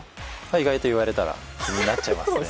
意外と言われたら、なっちゃいますね。